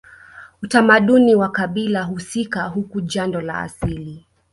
Utamaduni wa kabila husika huku jando la asili